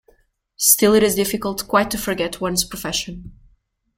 Still it is difficult quite to forget one's profession.